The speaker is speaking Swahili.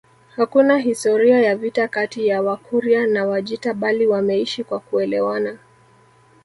Hakuna historia ya vita kati ya Wakurya na Wajita bali wameishi kwa kuelewana